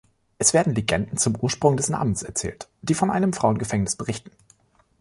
Es werden Legenden zum Ursprung des Namens erzählt, die von einem Frauengefängnis berichten.